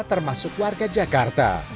termasuk warga jakarta